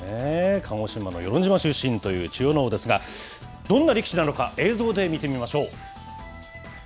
鹿児島の与論島出身という千代ノ皇ですが、どんな力士なのか、映像で見てみましょう。